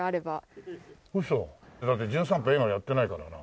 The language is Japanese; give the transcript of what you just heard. ウソ？だって『じゅん散歩』映画やってないからな。